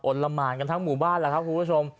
เอาลำมานกันทั้งหมู่บ้านแหละครับผู้ชม